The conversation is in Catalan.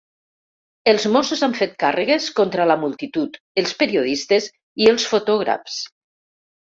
Els mossos han fet càrregues contra la multitud, els periodistes i els fotògrafs.